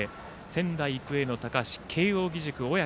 仙台育英の高橋慶応義塾、小宅